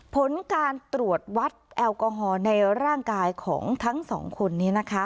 ผลการตรวจวัดแอลกอฮอล์ในร่างกายของทั้งสองคนนี้นะคะ